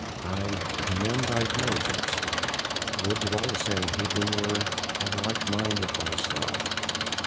"I commend thy diligence; would that all the Sanhedrim were of like mind with thyself.